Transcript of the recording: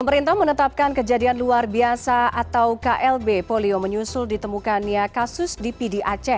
pemerintah menetapkan kejadian luar biasa atau klb polio menyusul ditemukannya kasus di pdac